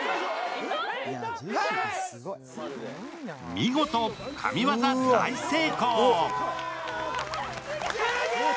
見事、神業大成功。